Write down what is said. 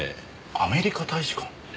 アメリカ大使館？